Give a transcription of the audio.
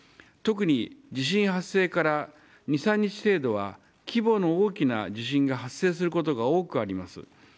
特に地震発生から２、３日程度は規模の大きな地震が発生することが多くあります。